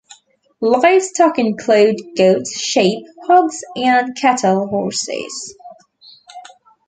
Livestock include goats, sheep, hogs, and cattle, horses.